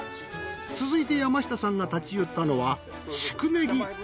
続いて山下さんが立ち寄ったのは宿根木。